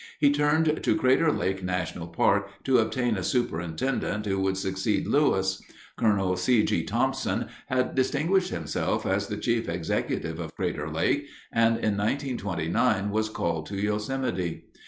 He turned to Crater Lake National Park to obtain a superintendent who would succeed Lewis. Colonel C. G. Thomson had distinguished himself as the chief executive of Crater Lake and in 1929 was called to Yosemite.